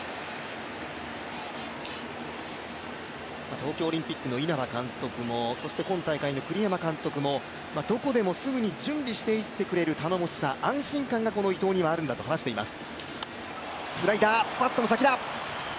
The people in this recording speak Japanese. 東京オリンピックの稲葉監督も、そして今大会の栗山監督もどこでもすぐに準備していってくれる頼もしさ、安心感がこの伊藤にはあるんだと話しています。